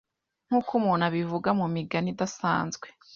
Nkuko umuntu abivuga mumigani idasanzwe